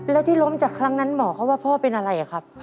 แล้วที่ล้มจากครั้งนั้นหมอเขาว่าพ่อเป็นอะไรครับ